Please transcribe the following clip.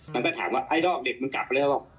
มันก็ถามว่าไอดอลเด็กมันกลับไปแล้ว